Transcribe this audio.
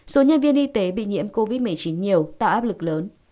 số nhân viên y tế bị nhiễm covid một mươi chín nhiều tạo áp lực lớn